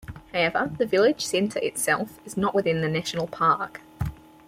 However, the village centre itself is not within the national park.